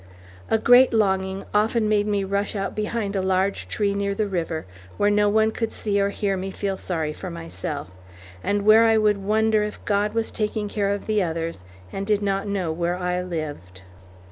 A great longing often made me rush out behind a large tree near the river, where no one could see or hear me feel sorry for myself, and where I would wonder if God was taking care of the others and did not know where I lived.